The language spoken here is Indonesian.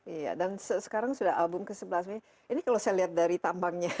iya dan sekarang sudah album ke sebelas mei ini kalau saya lihat dari tambangnya